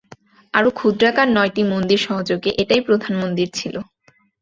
আরো ক্ষুদ্রাকার নয়টি মন্দির সহযোগে এটাই প্রধান মন্দির ছিলো।